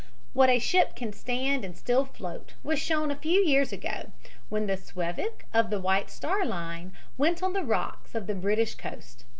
What a ship can stand and still float was shown a few years ago when the Suevic of the White Star Line went on the rocks on the British coast.